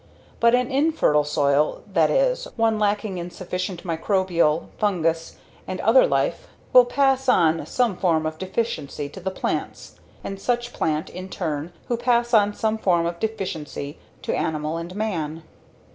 But an infertile soil, that is, one lacking in sufficient microbial, fungous, and other life, will pass on some form of deficiency to the plants, and such plant, in turn, who pass on some form of deficiency to animal and man."